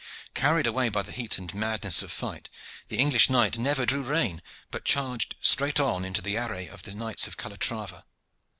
Carried away by the heat and madness of fight, the English knight never drew rein, but charged straight on into the array of the knights of Calatrava.